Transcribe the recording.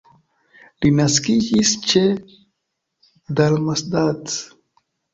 Li naskiĝis ĉe Darmstadt.